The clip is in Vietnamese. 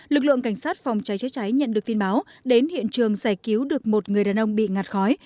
lực lượng cảnh sát phòng cháy cháy nhận được tin báo đến hiện trường giải cứu được một người đàn ông bị ngạt khói